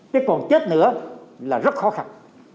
thế còn chết nữa là rất khó khăn